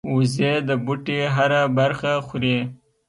وزې د بوټي هره برخه خوري